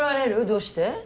どうして？